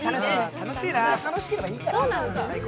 楽しいな、楽しければいいから。